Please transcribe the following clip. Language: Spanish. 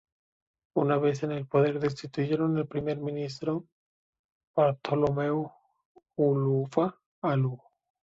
Una vez en el poder destituyeron al primer ministro Bartholomew Ulufa’alu.